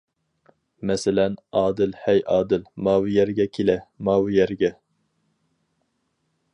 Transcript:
مەسىلەن: ئادىل. ھەي. ئادىل. ماۋۇ يەرگە كېلە، ماۋۇ يەرگە.